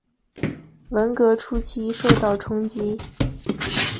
文革初期受到冲击。